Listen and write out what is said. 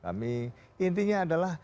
kami intinya adalah